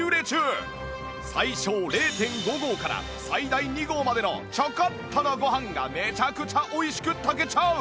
最少 ０．５ 合から最大２合までのちょこっとのご飯がめちゃくちゃ美味しく炊けちゃう！